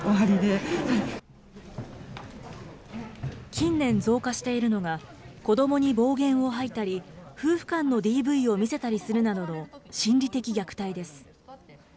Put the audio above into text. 近年増加しているのが、子どもに暴言をはいたり、夫婦間のＤＶを見せたりするなどの心理的虐待です。